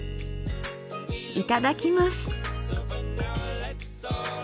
いただきます。